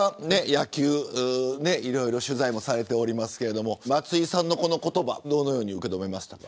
野球いろいろ取材もされていますが松井さんのこの言葉どのように受け止めましたか。